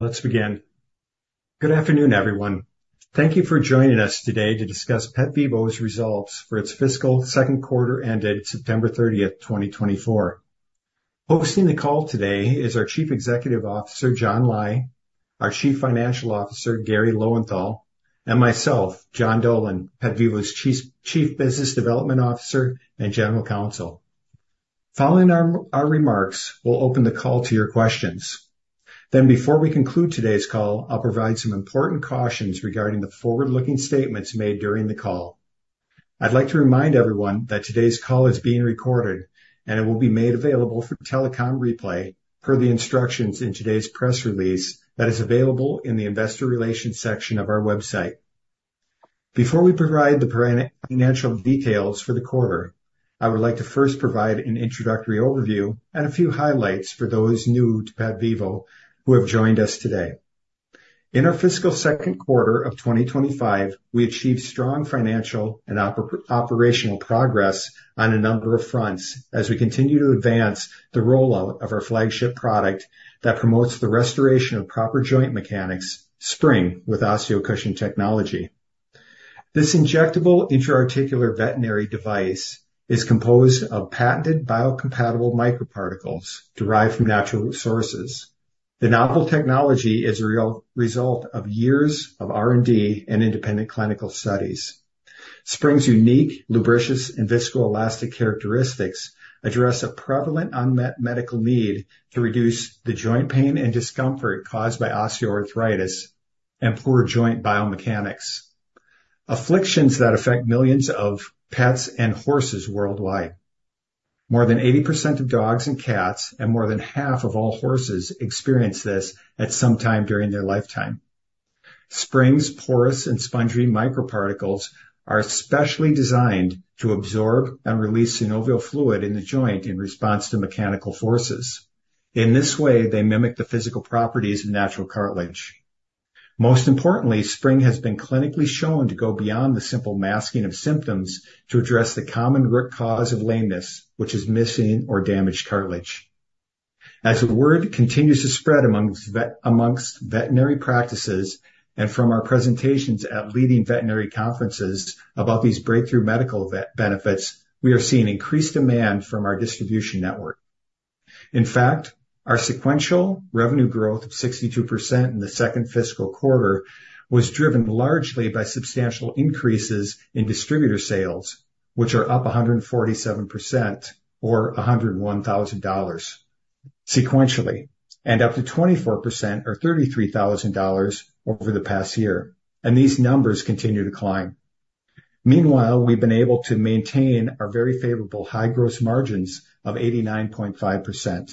Let's begin. Good afternoon, everyone. Thank you for joining us today to discuss PetVivo's results for its fiscal second quarter ended September 30, 2024. Hosting the call today is our Chief Executive Officer, John Lai, our Chief Financial Officer, Garry Lowenthal, and myself, John Dolan, PetVivo's Chief Business Development Officer and General Counsel. Following our remarks, we'll open the call to your questions. Then, before we conclude today's call, I'll provide some important cautions regarding the forward-looking statements made during the call. I'd like to remind everyone that today's call is being recorded, and it will be made available for telecom replay per the instructions in today's press release that is available in the Investor Relations section of our website. Before we provide the financial details for the quarter, I would like to first provide an introductory overview and a few highlights for those new to PetVivo who have joined us today. In our fiscal second quarter of 2025, we achieved strong financial and operational progress on a number of fronts as we continue to advance the rollout of our flagship product that promotes the restoration of proper joint mechanics: Spryng with OsteoCushion technology. This injectable intra-articular veterinary device is composed of patented biocompatible microparticles derived from natural sources. The novel technology is a real result of years of R&D and independent clinical studies. Spryng's unique, lubricious, and viscoelastic characteristics address a prevalent unmet medical need to reduce the joint pain and discomfort caused by osteoarthritis and poor joint biomechanics, afflictions that affect millions of pets and horses worldwide. More than 80% of dogs and cats, and more than half of all horses, experience this at some time during their lifetime. Spryng's porous and spongy microparticles are specially designed to absorb and release synovial fluid in the joint in response to mechanical forces. In this way, they mimic the physical properties of natural cartilage. Most importantly, Spryng has been clinically shown to go beyond the simple masking of symptoms to address the common root cause of lameness, which is missing or damaged cartilage. As the word continues to spread among veterinary practices and from our presentations at leading veterinary conferences about these breakthrough medical benefits, we are seeing increased demand from our distribution network. In fact, our sequential revenue growth of 62% in the second fiscal quarter was driven largely by substantial increases in distributor sales, which are up 147% or $101,000 sequentially, and up 24% or $33,000 over the past year. And these numbers continue to climb. Meanwhile, we've been able to maintain our very favorable high gross margins of 89.5%.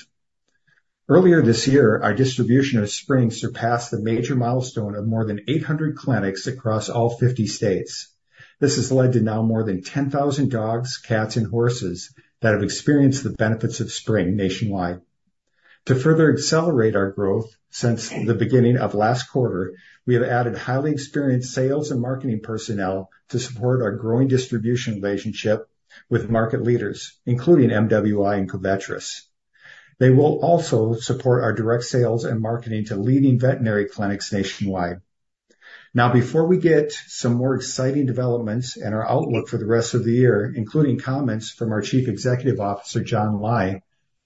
Earlier this year, our distribution of Spryng surpassed the major milestone of more than 800 clinics across all 50 states. This has led to now more than 10,000 dogs, cats, and horses that have experienced the benefits of Spryng nationwide. To further accelerate our growth since the beginning of last quarter, we have added highly experienced sales and marketing personnel to support our growing distribution relationship with market leaders, including MWI and Covetrus. They will also support our direct sales and marketing to leading veterinary clinics nationwide. Now, before we get to some more exciting developments and our outlook for the rest of the year, including comments from our Chief Executive Officer, John Lai,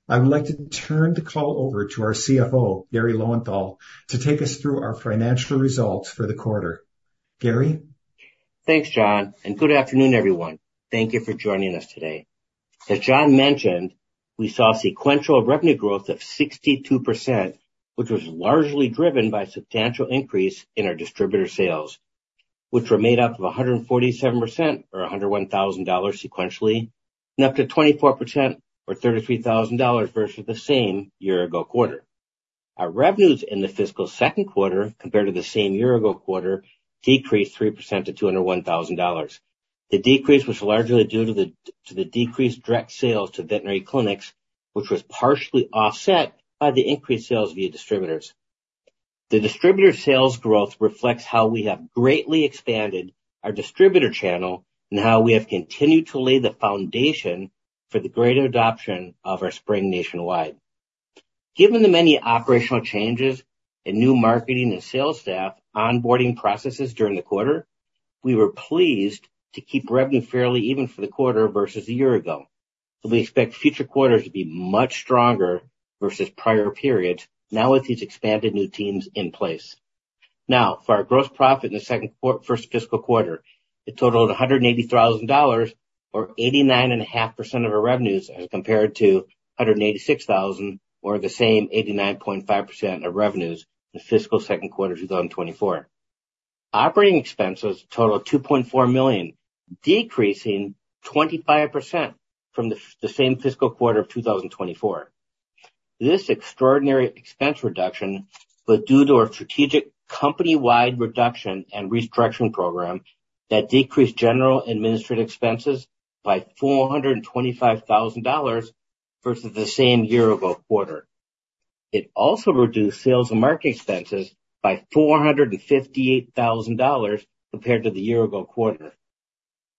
I would like to turn the call over to our CFO, Garry Lowenthal, to take us through our financial results for the quarter. Garry? Thanks, John, and good afternoon, everyone. Thank you for joining us today. As John mentioned, we saw sequential revenue growth of 62%, which was largely driven by a substantial increase in our distributor sales, which were made up of 147% or $101,000 sequentially, and up to 24% or $33,000 versus the same year-ago quarter. Our revenues in the fiscal second quarter, compared to the same year-ago quarter, decreased 3% to $201,000. The decrease was largely due to the decreased direct sales to veterinary clinics, which was partially offset by the increased sales via distributors. The distributor sales growth reflects how we have greatly expanded our distributor channel and how we have continued to lay the foundation for the greater adoption of our Spryng nationwide. Given the many operational changes and new marketing and sales staff onboarding processes during the quarter, we were pleased to keep revenue fairly even for the quarter versus a year ago. We expect future quarters to be much stronger versus prior periods, now with these expanded new teams in place. Now, for our gross profit in the second fiscal quarter, it totaled $180,000 or 89.5% of our revenues as compared to $186,000 or the same 89.5% of revenues in the fiscal second quarter of 2024. Operating expenses totaled $2.4 million, decreasing 25% from the same fiscal quarter of 2024. This extraordinary expense reduction was due to our strategic company-wide reduction and restructuring program that decreased general administrative expenses by $425,000 versus the same year-ago quarter. It also reduced sales and marketing expenses by $458,000 compared to the year-ago quarter.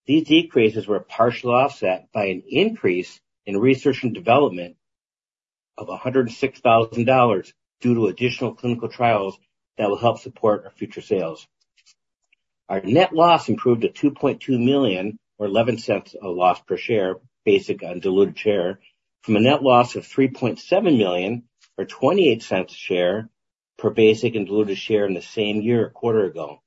These decreases were partially offset by an increase in research and development of $106,000 due to additional clinical trials that will help support our future sales. Our net loss improved to $2.2 million or $0.11 of loss per share, basic and diluted share, from a net loss of $3.7 million or $0.28 a share per basic and diluted share in the same year or quarter ago.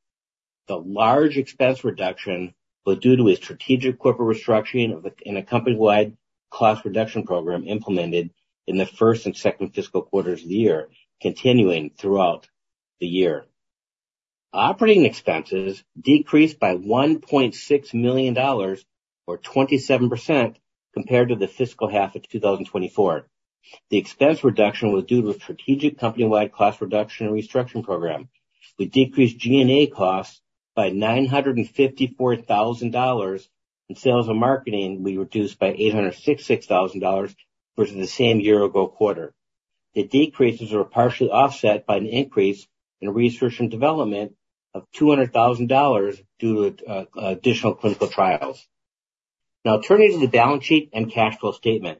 The large expense reduction was due to a strategic corporate restructuring and a company-wide cost reduction program implemented in the first and second fiscal quarters of the year, continuing throughout the year. Operating expenses decreased by $1.6 million or 27% compared to the fiscal half of 2024. The expense reduction was due to a strategic company-wide cost reduction and restructuring program. We decreased G&A costs by $954,000, and sales and marketing we reduced by $866,000 versus the same year-ago quarter. The decreases were partially offset by an increase in research and development of $200,000 due to additional clinical trials. Now, turning to the balance sheet and cash flow statement,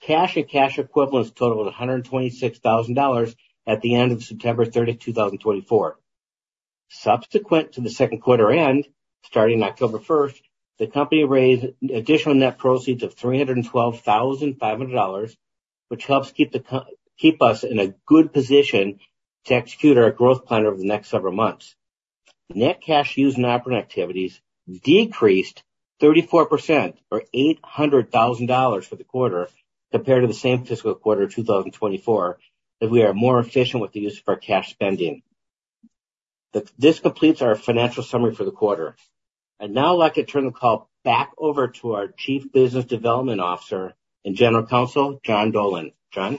cash and cash equivalents totaled $126,000 at the end of September 30, 2024. Subsequent to the second quarter end, starting October 1st, the company raised additional net proceeds of $312,500, which helps keep us in a good position to execute our growth plan over the next several months. Net cash used in operating activities decreased 34% or $800,000 for the quarter compared to the same fiscal quarter of 2024, as we are more efficient with the use of our cash spending. This completes our financial summary for the quarter, and now I'd like to turn the call back over to our Chief Business Development Officer and General Counsel, John Dolan. John?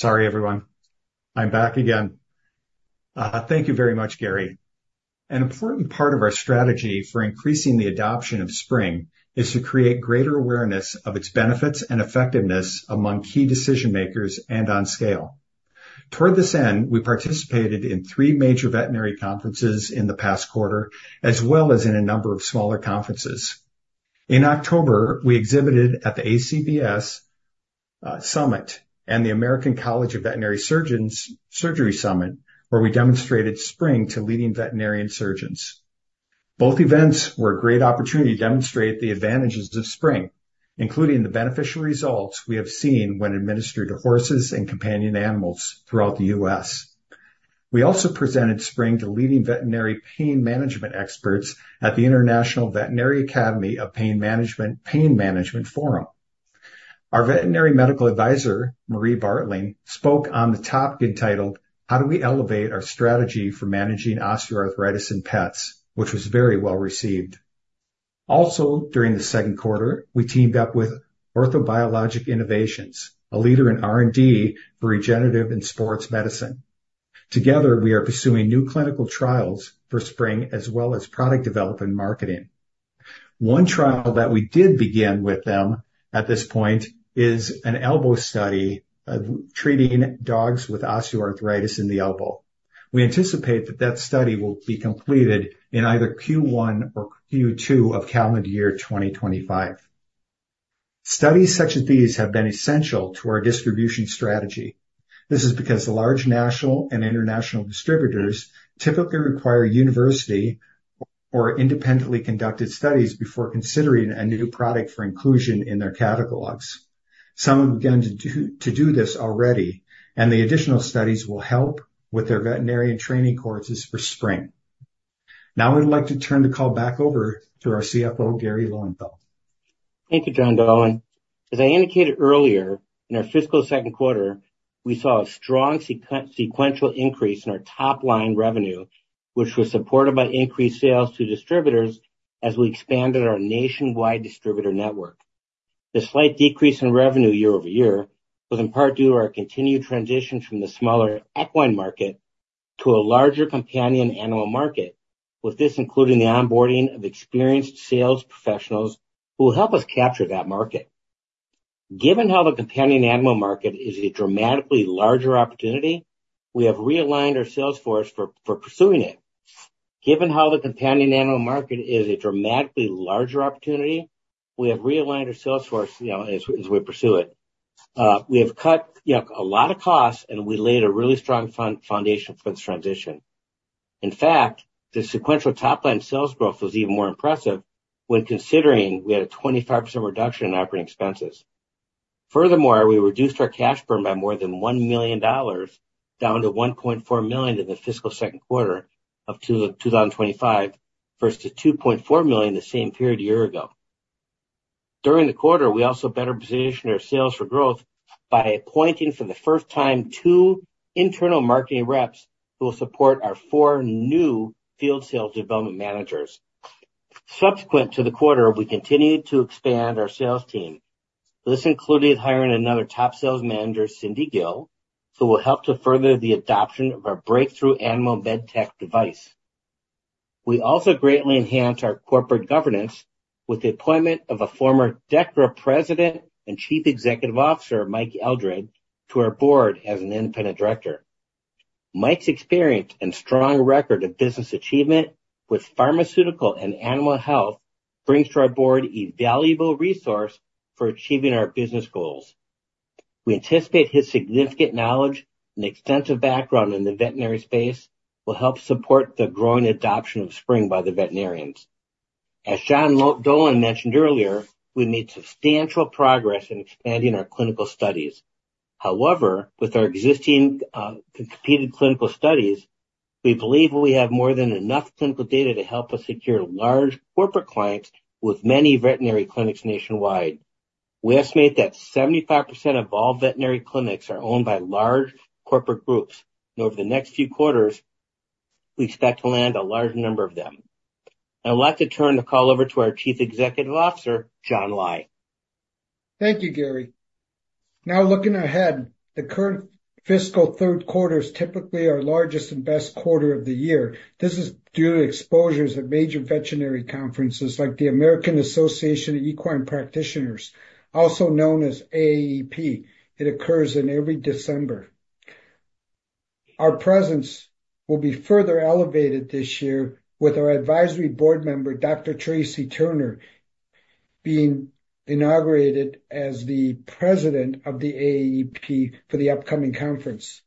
Sorry, everyone. I'm back again. Thank you very much, Garry. An important part of our strategy for increasing the adoption of Spryng is to create greater awareness of its benefits and effectiveness among key decision-makers and on scale. Toward this end, we participated in three major veterinary conferences in the past quarter, as well as in a number of smaller conferences. In October, we exhibited at the ACVS Summit and the American College of Veterinary Surgeons' Surgery Summit, where we demonstrated Spryng to leading veterinary surgeons. Both events were a great opportunity to demonstrate the advantages of Spryng, including the beneficial results we have seen when administered to horses and companion animals throughout the U.S. We also presented Spryng to leading veterinary pain management experts at the International Veterinary Academy of Pain Management Forum. Our Veterinary Medical Advisor, Marie Bartling, spoke on the topic entitled, "How do we elevate our strategy for managing osteoarthritis in pets?" which was very well received. Also, during the second quarter, we teamed up with Orthobiologic Innovations, a leader in R&D for regenerative and sports medicine. Together, we are pursuing new clinical trials for Spryng, as well as product development marketing. One trial that we did begin with them at this point is an elbow study treating dogs with osteoarthritis in the elbow. We anticipate that that study will be completed in either Q1 or Q2 of calendar year 2025. Studies such as these have been essential to our distribution strategy. This is because large national and international distributors typically require university or independently conducted studies before considering a new product for inclusion in their catalogs. Some have begun to do this already, and the additional studies will help with their veterinarian training courses for Spryng. Now, I would like to turn the call back over to our CFO, Garry Lowenthal. Thank you, John Dolan. As I indicated earlier, in our fiscal second quarter, we saw a strong sequential increase in our top-line revenue, which was supported by increased sales to distributors as we expanded our nationwide distributor network. The slight decrease in revenue year-over-year was in part due to our continued transition from the smaller equine market to a larger companion animal market, with this including the onboarding of experienced sales professionals who will help us capture that market. Given how the companion animal market is a dramatically larger opportunity, we have realigned our sales force as we pursue it. We have cut a lot of costs, and we laid a really strong foundation for this transition. In fact, the sequential top-line sales growth was even more impressive when considering we had a 25% reduction in operating expenses. Furthermore, we reduced our cash burn by more than $1 million down to $1.4 million in the fiscal second quarter of 2025 versus $2.4 million the same period a year ago. During the quarter, we also better positioned our sales for growth by appointing for the first time two internal marketing reps who will support our four new field sales development managers. Subsequent to the quarter, we continued to expand our sales team. This included hiring another top sales manager, Cindy Gill, who will help to further the adoption of our breakthrough animal MedTech device. We also greatly enhanced our corporate governance with the appointment of a former Dechra President and Chief Executive Officer, Mike Eldred, to our board as an independent director. Mike's experience and strong record of business achievement with pharmaceutical and animal health brings to our board a valuable resource for achieving our business goals. We anticipate his significant knowledge and extensive background in the veterinary space will help support the growing adoption of Spryng by the veterinarians. As John Dolan mentioned earlier, we made substantial progress in expanding our clinical studies. However, with our existing competing clinical studies, we believe we have more than enough clinical data to help us secure large corporate clients with many veterinary clinics nationwide. We estimate that 75% of all veterinary clinics are owned by large corporate groups, and over the next few quarters, we expect to land a large number of them. I would like to turn the call over to our Chief Executive Officer, John Lai. Thank you, Garry. Now, looking ahead, the current fiscal third quarter is typically our largest and best quarter of the year. This is due to expos at major veterinary conferences like the American Association of Equine Practitioners, also known as AAEP. It occurs in every December. Our presence will be further elevated this year with our advisory board member, Dr. Tracy Turner, being inaugurated as the president of the AAEP for the upcoming conference.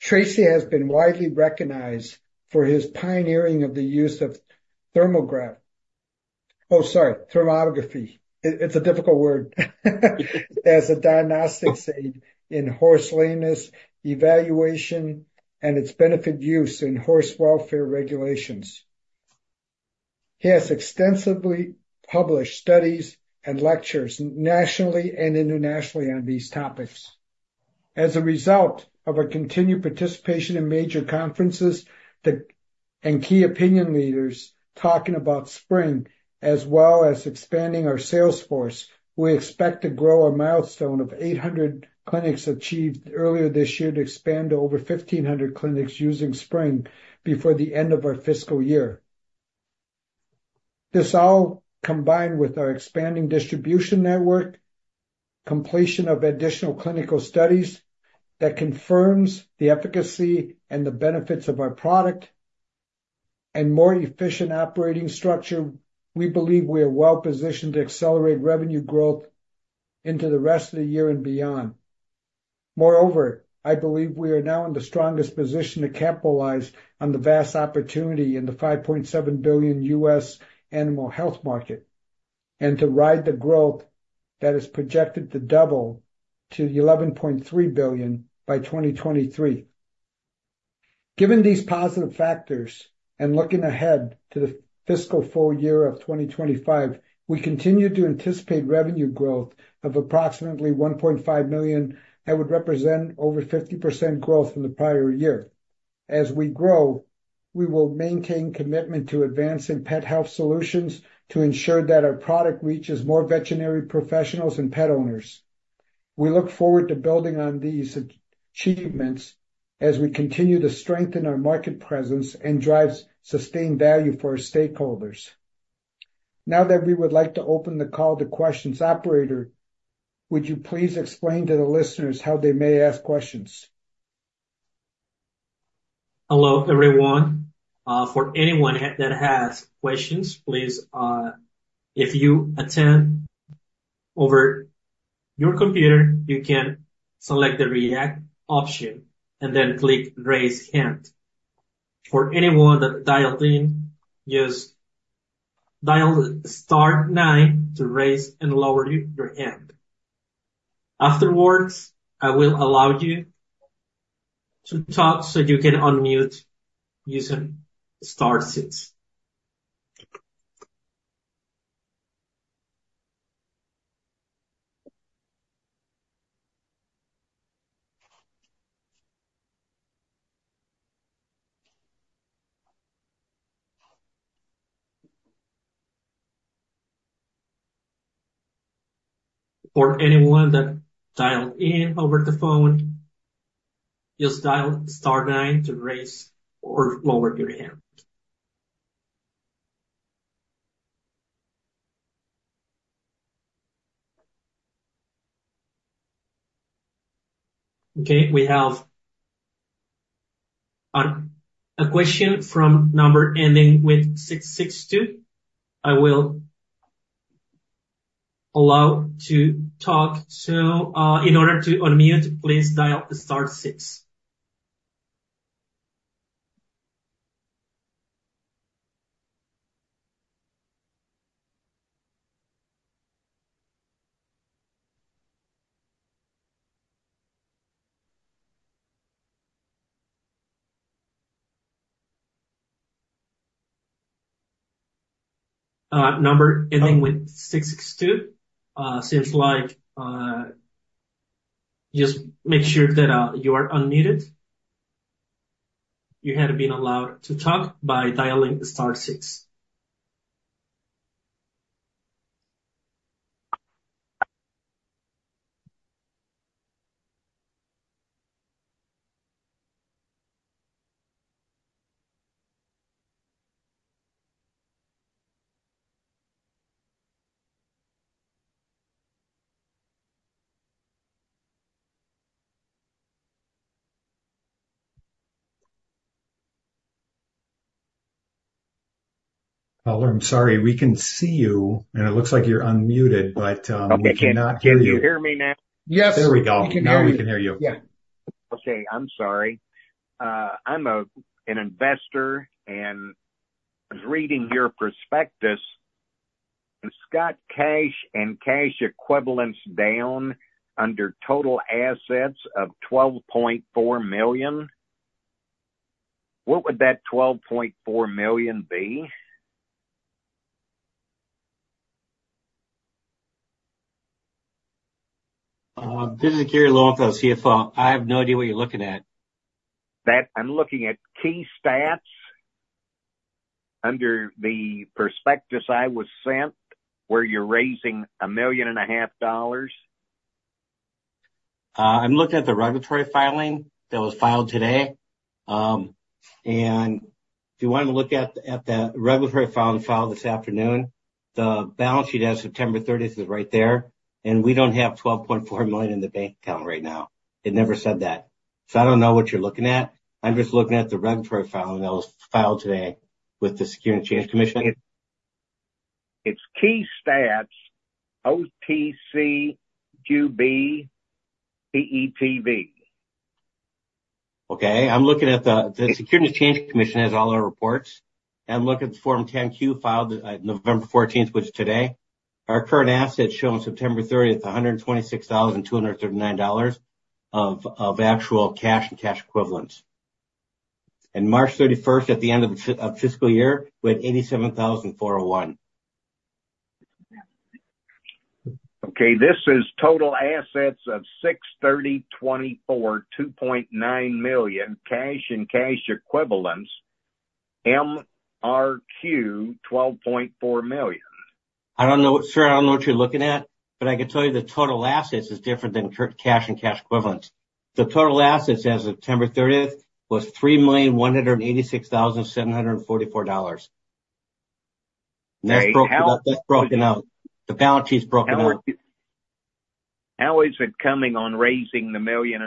Tracy has been widely recognized for his pioneering of the use of thermograph, oh, sorry, thermography. It's a difficult word, as a diagnostic aid in horse lameness evaluation and its benefit use in horse welfare regulations. He has extensively published studies and lectures nationally and internationally on these topics. As a result of our continued participation in major conferences and key opinion leaders talking about Spryng, as well as expanding our sales force, we expect to grow a milestone of 800 clinics achieved earlier this year to expand to over 1,500 clinics using Spryng before the end of our fiscal year. This all, combined with our expanding distribution network, completion of additional clinical studies that confirms the efficacy and the benefits of our product, and more efficient operating structure, we believe we are well positioned to accelerate revenue growth into the rest of the year and beyond. Moreover, I believe we are now in the strongest position to capitalize on the vast opportunity in the $5.7 billion U.S. animal health market and to ride the growth that is projected to double to $11.3 billion by 2030. Given these positive factors and looking ahead to the fiscal full year of 2025, we continue to anticipate revenue growth of approximately $1.5 million that would represent over 50% growth from the prior year. As we grow, we will maintain commitment to advancing pet health solutions to ensure that our product reaches more veterinary professionals and pet owners. We look forward to building on these achievements as we continue to strengthen our market presence and drive sustained value for our stakeholders. Now that we would like to open the call to questions. Operator, would you please explain to the listeners how they may ask questions? Hello, everyone. For anyone that has questions, please, if you attend over your computer, you can select the react option and then click raise hand. For anyone that dialed in, just dial star nine to raise and lower your hand. Afterwards, I will allow you to talk so you can unmute using star six. For anyone that dialed in over the phone, just dial star nine to raise or lower your hand. Okay. We have a question from number ending with six six two. I will allow to talk. So in order to unmute, please dial star six. Number ending with six six two seems like just make sure that you are unmuted. You had been allowed to talk by dialing star six. Hello, I'm sorry. We can see you, and it looks like you're unmuted, but we cannot hear you. Can you hear me now? Yes. We can hear you. There we go. Now we can hear you. Yeah. Okay. I'm sorry. I'm an investor, and I was reading your prospectus. Does cash and cash equivalents down under total assets of $12.4 million? What would that $12.4 million be? This is Garry Lowenthal, CFO. I have no idea what you're looking at. I'm looking at key stats under the prospectus I was sent where you're raising $1.5 million. I'm looking at the regulatory filing that was filed today. And if you want to look at the regulatory filing filed this afternoon, the balance sheet as of September 30th is right there. And we don't have $12.4 million in the bank account right now. It never said that. So I don't know what you're looking at. I'm just looking at the regulatory filing that was filed today with the Securities and Exchange Commission. It's key stats, (OTCQB: PETV). Okay. I'm looking at the Securities and Exchange Commission has all our reports, and I'm looking at the Form 10-Q filed November 14th, which is today. Our current assets show on September 30th, $126,239 of actual cash and cash equivalents, and March 31st, at the end of the fiscal year, we had $87,401. Okay. This is total assets of $630,224, $2.9 million cash and cash equivalents, MRQ, $12.4 million. I don't know. Sir, I don't know what you're looking at, but I can tell you the total assets is different than cash and cash equivalents. The total assets as of September 30th was $3,186,744. Okay. How. That's broken out. The balance sheet's broken out. How is it coming on raising $1.5 million?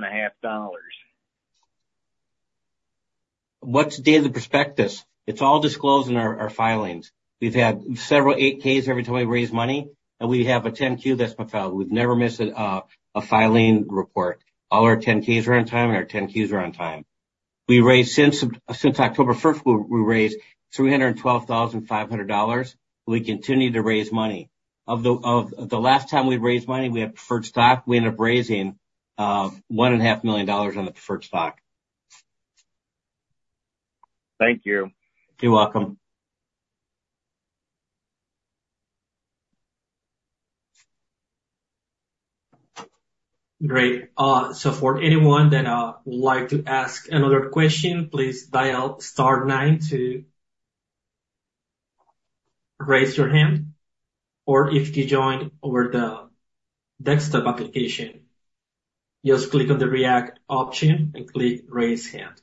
What's the date of the prospectus? It's all disclosed in our filings. We've had several 8-Ks every time we raise money, and we have a 10-Q that's been filed. We've never missed a filing report. All our 10-Ks are on time, and our 10-Qs are on time. Since October 1st, we raised $312,500. We continue to raise money. The last time we raised money, we had preferred stock. We ended up raising $1.5 million on the preferred stock. Thank you. You're welcome. Great. So for anyone that would like to ask another question, please dial star nine to raise your hand. Or if you joined over the desktop application, just click on the react option and click raise hand.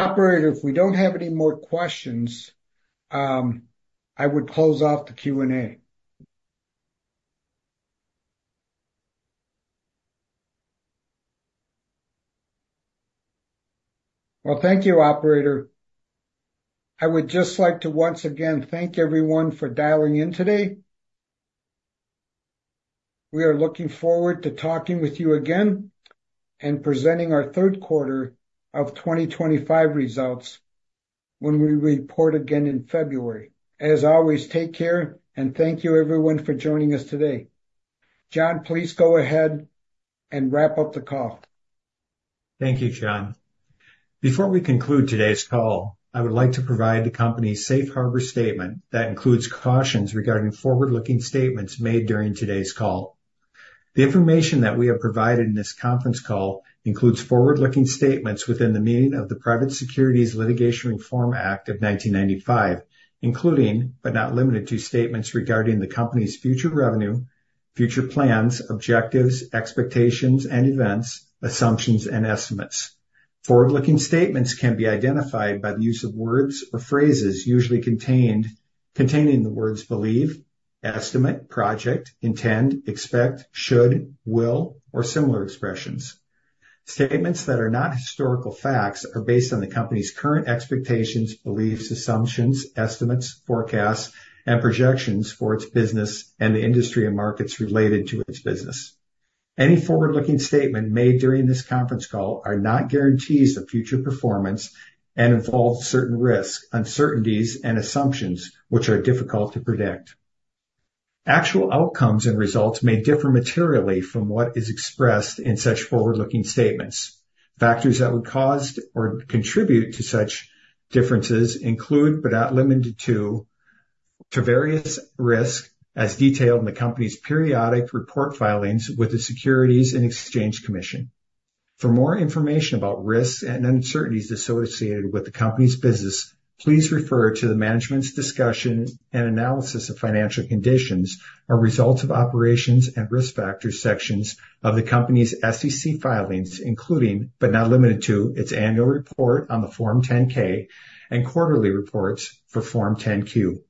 Operator, if we don't have any more questions, I would close off the Q&A. Well, thank you, Operator. I would just like to once again thank everyone for dialing in today. We are looking forward to talking with you again and presenting our third quarter of 2025 results when we report again in February. As always, take care, and thank you, everyone, for joining us today. John, please go ahead and wrap up the call. Thank you, John. Before we conclude today's call, I would like to provide the company's safe harbor statement that includes cautions regarding forward-looking statements made during today's call. The information that we have provided in this conference call includes forward-looking statements within the meaning of the Private Securities Litigation Reform Act of 1995, including but not limited to statements regarding the company's future revenue, future plans, objectives, expectations, and events, assumptions, and estimates. Forward-looking statements can be identified by the use of words or phrases usually containing the words believe, estimate, project, intend, expect, should, will, or similar expressions. Statements that are not historical facts are based on the company's current expectations, beliefs, assumptions, estimates, forecasts, and projections for its business and the industry and markets related to its business. Any forward-looking statement made during this conference call are not guarantees of future performance and involve certain risks, uncertainties, and assumptions, which are difficult to predict. Actual outcomes and results may differ materially from what is expressed in such forward-looking statements. Factors that would cause or contribute to such differences include but are not limited to various risks as detailed in the company's periodic report filings with the Securities and Exchange Commission. For more information about risks and uncertainties associated with the company's business, please refer to the management's discussion and analysis of financial conditions, our results of operations, and risk factors sections of the company's SEC filings, including but not limited to its annual report on the Form 10-K and quarterly reports for Form 10-Q.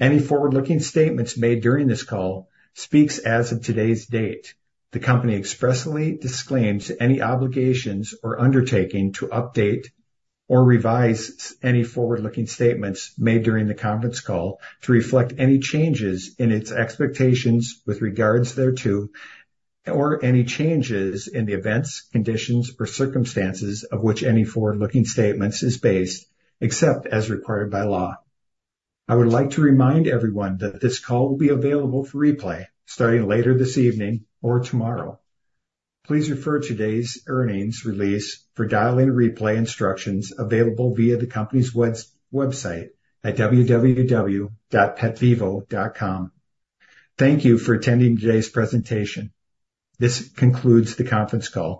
Any forward-looking statements made during this call speaks as of today's date. The company expressly disclaims any obligations or undertaking to update or revise any forward-looking statements made during the conference call to reflect any changes in its expectations with regards thereto, or any changes in the events, conditions, or circumstances of which any forward-looking statements is based, except as required by law. I would like to remind everyone that this call will be available for replay starting later this evening or tomorrow. Please refer to today's earnings release for dialing replay instructions available via the company's website at www.petvivo.com. Thank you for attending today's presentation. This concludes the conference call.